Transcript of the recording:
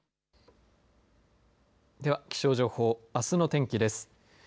では気象情報あすの天気です。